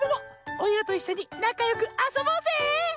おいらといっしょになかよくあそぼうぜ！